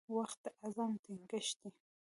• وخت د عزم ټینګښت دی.